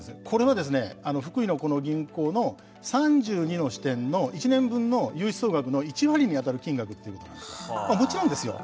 これは福井のこの銀行の３２の支店の１年分の融資総額の１割に当たる金額ということなんです。